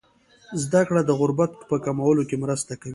زده کړه د غربت په کمولو کې مرسته کوي.